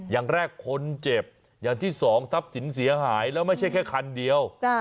อย่างแรกคนเจ็บอย่างที่สองทรัพย์สินเสียหายแล้วไม่ใช่แค่คันเดียว